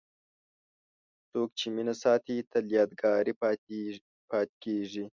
څوک چې مینه ساتي، تل یادګاري پاتې کېږي.